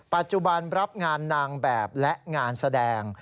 ปัจจุบันรับงานนางแบบและงานแสดง